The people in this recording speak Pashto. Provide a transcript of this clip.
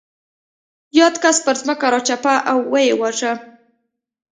یاد کس پر ځمکه راچپه او ویې واژه.